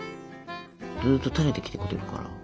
ずっとたれてきてくれるから。